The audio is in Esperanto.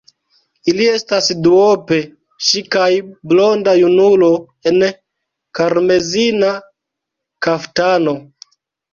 Ili estas duope: ŝi kaj blonda junulo en karmezina kaftano.